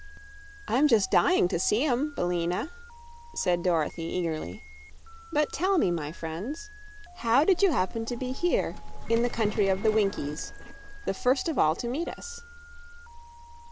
"I'm just dying to see 'em, Billina," said Dorothy, eagerly. "But tell me, my friends, how did you happen to be here, in the Country of the Winkies, the first of all to meet us?"